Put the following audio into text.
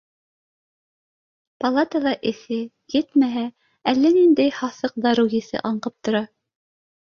Палатала эҫе, етмәһә, әллә ниндәй һаҫыҡ дарыу еҫе аңҡып тора.